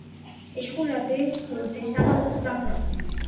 ეშხუ ლადეღ დე̄სამა ოთდაგრა.